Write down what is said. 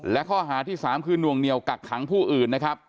และข้อหาที่๓คือนวงเหนียวกักขังผู้อื่นนะครับ